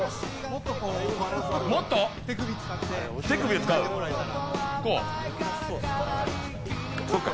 もっと手首を使って。